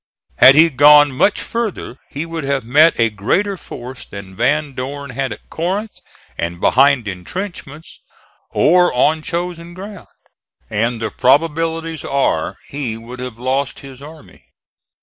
Had he gone much farther he would have met a greater force than Van Dorn had at Corinth and behind intrenchments or on chosen ground, and the probabilities are he would have lost his army.